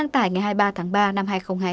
ngày hai mươi ba tháng ba năm hai nghìn hai mươi hai